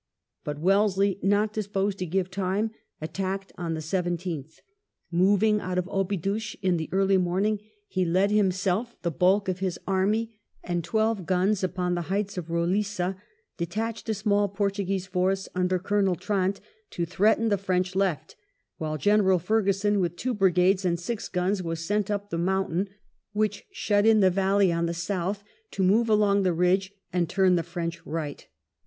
But Wellesley, not disposed to give time, attacked on the 17th. Mov ing out of Obidos in the early morning he led himseM the bulk of his army and twelve guns upon the heights of Eoli9a, detached a small Portuguese force under Colonel Trant to threaten the French left, while General Ferguson with two brigades and six guns was sent up the mountain which shut in the valley on the south, to move along the ridge and turn the French right.